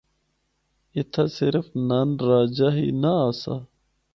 اتھا صرف نند راجہ ہی نہ آسا۔